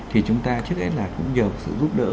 thì chúng ta trước hết là cũng nhờ sự giúp đỡ